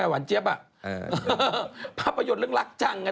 หวานเจ๊บอ่ะภาพประโยชน์เรื่องรักจังไง